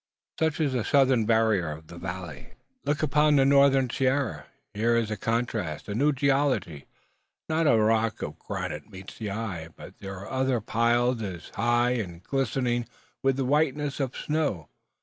Such is the southern barrier of the valley. Look upon the northern sierra! Here is a contrast, a new geology. Not a rock of granite meets the eye; but there are others piled as high, and glistening with the whiteness of snow.